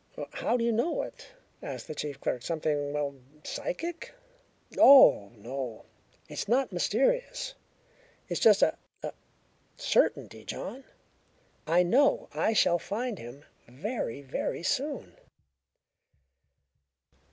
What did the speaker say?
"How do you know it?" asked the chief clerk. "Something well psychic?" "Oh, no. It's not mysterious. It's just a a certainty, John. I know I shall find him very, very soon."